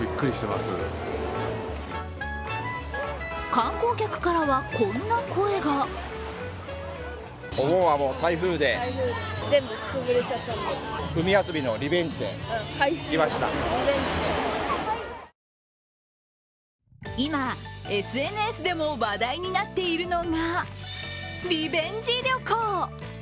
観光客からはこんな声が今、ＳＮＳでも話題になっているのがリベンジ旅行。